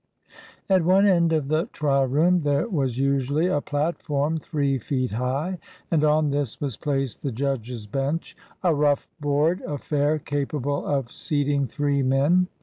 At one end of the trial room there was usually a platform three feet high, and on this was placed the judge's bench, a rough board affair capable of seating three men.